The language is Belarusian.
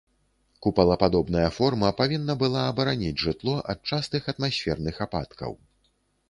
Купалападобная форма павінна была абараніць жытло ад частых атмасферных ападкаў.